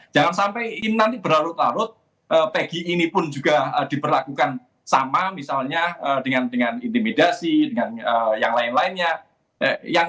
jangan sampai nanti berlarut larut pg ini pun juga diperlakukan sama misalnya dengan intimidasi dengan yang lain lainnya